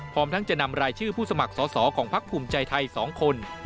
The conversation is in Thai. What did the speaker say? พร้อมทั้งจะนำรายชื่อผู้สมัครสอสอของพักภูมิใจไทย๒คน